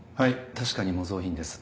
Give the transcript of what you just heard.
確かに模造品です。